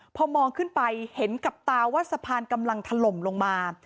พอมองขึ้นไปเห็นกับตาว่าสะพานกำลังถล่มลงมา